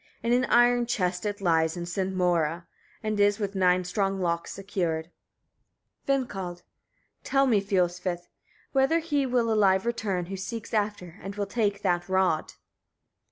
In an iron chest it lies with Sinmoera, and is with nine strong locks secured. Vindkald. 28. Tell me, Fiolsvith! etc., whether he will alive return, who seeks after, and will take, that rod?